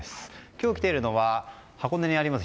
今日来ているのは箱根にあります